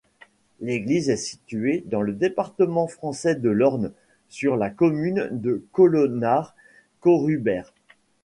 L'église est située dans le département français de l'Orne, sur la commune de Colonard-Corubert.